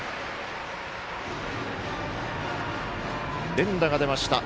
連打が出ました。